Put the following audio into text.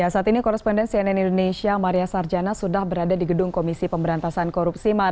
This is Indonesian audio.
saat ini koresponden cnn indonesia maria sarjana sudah berada di gedung komisi pemberantasan korupsi